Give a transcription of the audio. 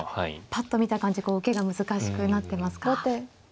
ぱっと見た感じ受けが難しくなってますか。